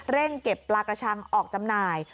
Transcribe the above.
เร่งเก็บปลากระชังออกจำหน่าย